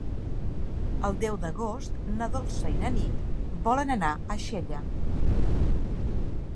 El deu d'agost na Dolça i na Nit volen anar a Xella.